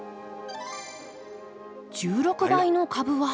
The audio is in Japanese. １６倍の株は。